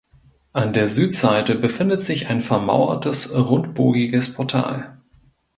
An der Südseite befindet sich ein vermauertes rundbogiges Portal.